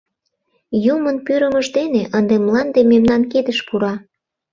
— Юмын пӱрымыж дене ынде мланде мемнан кидыш пура.